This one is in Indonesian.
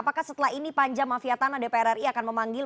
apakah setelah ini panjang mafia tanah dpr ri akan memanggil